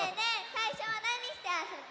さいしょはなにしてあそぶ？